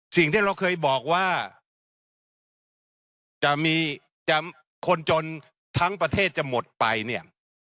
สิ่งที่เราเคยบอกว่าจะมีคนจนทั้งประเทศจะหมดไปเนี่ย